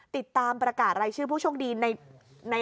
ติดตามประกาศรายชื่อผู้โชคดีใน